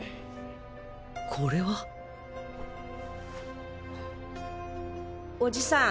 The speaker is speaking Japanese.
これはおじさん。